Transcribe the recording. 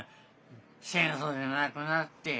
戦争で亡くなってなあ？